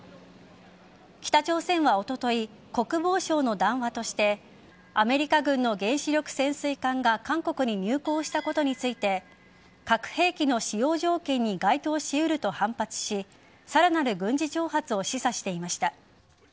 北朝鮮はおととい国防相の談話としてアメリカ軍の原子力潜水艦が韓国に入港したことについて核兵器の使用条件に該当し得ると反発しさらなる軍事挑発を示唆していました。